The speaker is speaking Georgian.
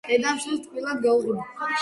დედამ შვილს თბილად გაუღიმა.